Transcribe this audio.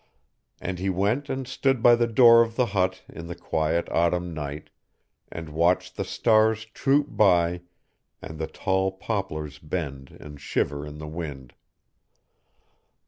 And he went and stood by the door of the hut in the quiet autumn night, and watched the stars troop by and the tall poplars bend and shiver in the wind.